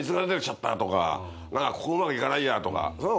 「ここうまくいかないや」とか。